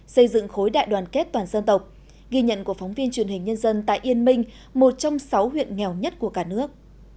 xây dựng khối đại đoàn kết toàn dân tộc ghi nhận của phóng viên truyền hình nhân dân tại yên minh một trong sáu huyện nghèo nhất của cả nước